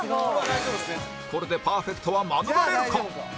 これでパーフェクトは免れるか？